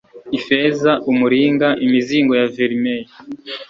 ifeza, umuringa, imizigo ya vermeil